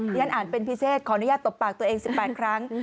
ฉันอ่านเป็นพิเศษขออนุญาตตบปากตัวเอง๑๘ครั้ง